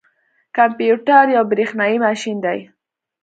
کمپيوټر یو بریښنايي ماشین دی